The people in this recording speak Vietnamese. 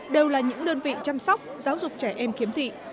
đều là những đơn vị chăm sóc giáo dục trẻ em khiếm thị